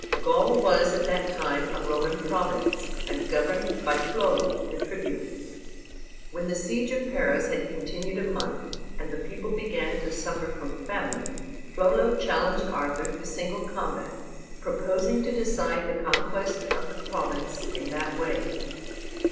Gaul was at that time a Roman province, and governed by Flollo, the Tribune. When the siege of Paris had continued a month, and the people began to suffer from famine, Flollo challenged Arthur to single combat, proposing to decide the conquest of the province in that way.